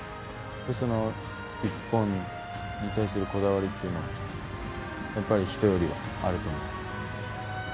その一本に対するこだわりっていうのは、やっぱり人よりはあると思います。